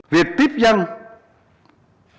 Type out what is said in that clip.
việc tiếp dân chưa được tạo ra